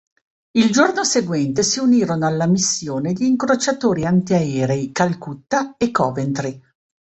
Il giorno seguente si unirono alla missione gli incrociatori antiaerei "Calcutta" e "Coventry".